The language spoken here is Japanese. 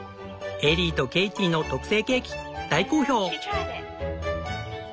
エリーとケイティの特製ケーキ大好評。